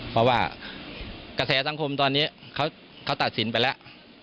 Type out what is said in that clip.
เพราะว่ากระแสสังคมตอนนี้เขาตัดสินไปแล้ว